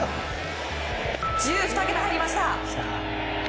２桁、入りました。